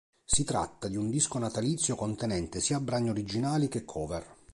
Si tratta di un disco natalizio contenente sia brani originali che cover.